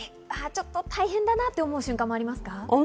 大変だなと思う瞬間もありますか？